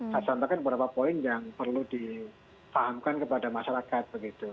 saya sampaikan beberapa poin yang perlu dipahamkan kepada masyarakat